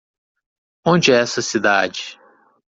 Onde é essa cidade?